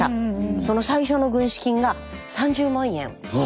その最初の軍資金が３０万円。